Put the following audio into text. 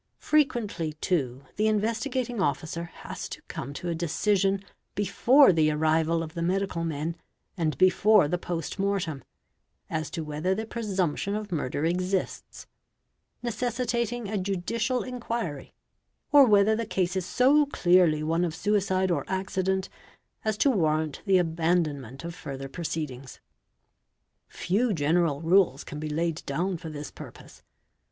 Frequently too the Investigating Officer has to come to a deci _ sion before the arrival of the medical men and before the post mortem ; as to whether the presumption of murder exists, necessitating a judicial _ inquiry, or whether the case is so clearly one of suicide or accident as to —— _warrant the abandonment of further proceedings . Few general rules can be laid down for this purpose.